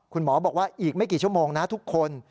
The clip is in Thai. คุณหมอบอกว่าอีกไม่กี่ชั่วโมงนะทุกคน